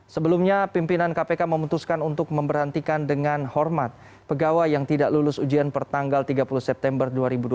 sebelumnya pimpinan kpk memutuskan untuk memberhentikan dengan hormat pegawai yang tidak lulus ujian pertanggal tiga puluh september dua ribu dua puluh